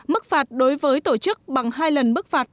mức phạt đối với tổ chức bằng hai lần mức phạt